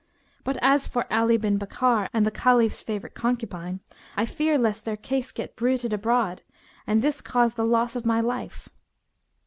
But as for Ali bin Bakkar and the Caliph's favourite concubine, I fear lest their case get bruited abroad and this cause the loss of my life.'